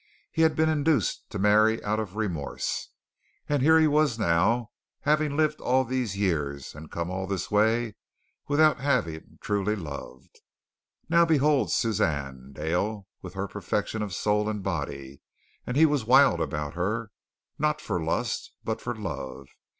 He had been induced to marry out of remorse. And here he was now having lived all these years and come all this way without having truly loved. Now, behold Suzanne Dale with her perfection of soul and body, and he was wild about her not for lust, but for love.